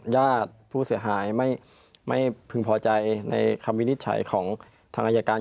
ญาติผู้เสียหายไม่พึงพอใจในคำวินิจฉัยของทางอายการ